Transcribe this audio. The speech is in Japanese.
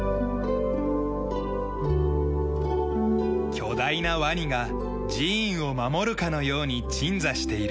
巨大なワニが寺院を守るかのように鎮座している。